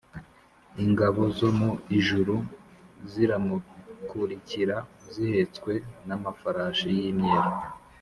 Ingabo zo mu ijuru ziramukurikira zihetswe n’amafarashi y’imyeru,